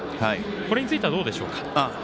これについてはどうでしょうか？